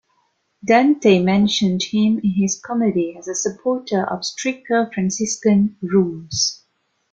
Dante mentioned him in his "Comedy", as a supporter of stricter Franciscan rules.